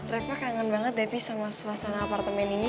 reva kangen banget deh pi sama suasana apartemen ini